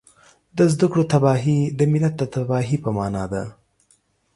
د زده کړو تباهي د ملت د تباهۍ په مانا ده